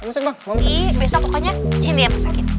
besok pokoknya sindi yang masakin